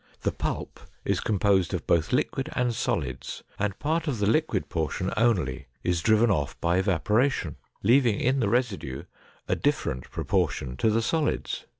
The pulp is composed of both liquid and solids and part of the liquid portion only is driven off by evaporation, leaving in the residue a different proportion to the solids.